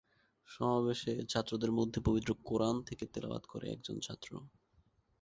সমাবেশে ছাত্রদের মধ্যে পবিত্র কুরআন থেকে তেলাওয়াত করে একজন ছাত্র।